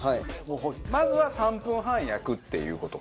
まずは３分半焼くっていう事か。